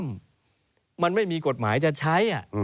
มันไม่มีกฎหมายจะใช้